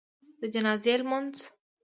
د جنازي لمونځ